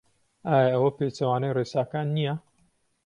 ئایا ئەوە پێچەوانەی ڕێساکان نییە؟